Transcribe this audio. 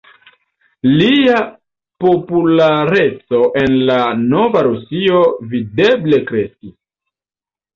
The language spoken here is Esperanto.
Lia populareco en la nova Rusio videble kreskis.